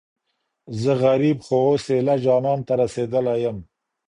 زه غريب خو اوس ايـــلــه جــانـان ته رسېـدلى يـم